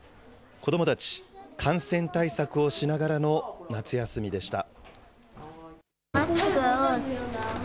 子どもたち、感染対策をしながらの夏休みでした。